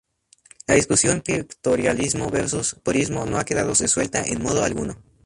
La discusión pictorialismo versus purismo no ha quedado resuelta en modo alguno.